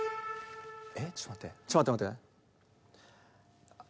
えっちょっと待ってちょっと待って待って。